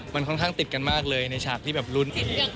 มันค่อนข้างติดกันมากเลยในฉากที่แบบลุ้น